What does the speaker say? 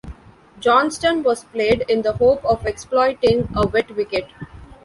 Johnston was played in the hope of exploiting a wet wicket.